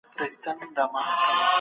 د مېوو جوس په کور کي جوړ کړئ.